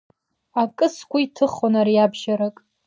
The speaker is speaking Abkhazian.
Акы сгәы иҭыхон ариабжьарак.